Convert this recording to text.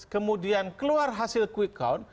kemudian keluar hasil quick count